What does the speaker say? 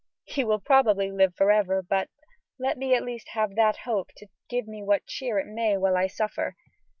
He will probably live forever, but let me have at least that hope to give me what cheer it may while I suffer."